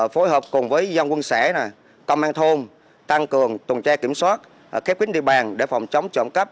phối hợp cùng với dân quân xã công an thôn tăng cường tùn che kiểm soát kép kín địa bàn để phòng chống trộm cấp